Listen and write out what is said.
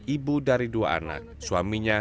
ibu dari dua anak suaminya